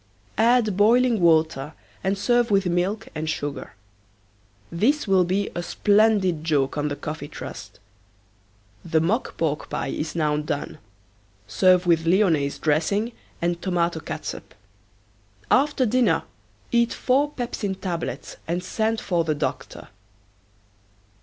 Add boiling water and serve with milk and sugar. This will be a splendid joke on the Coffee Trust. The mock pork pie is now done. Serve with lionaise dressing and tomato catsup. After dinner eat four pepsin tablets and send for the doctor.